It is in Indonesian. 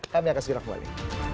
kami akan segera kembali